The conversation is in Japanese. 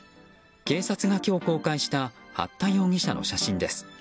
警察が今日公開した八田容疑者の写真です。